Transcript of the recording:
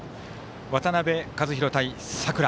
渡辺和大対佐倉。